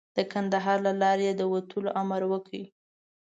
د کندهار له لارې یې د وتلو امر وکړ.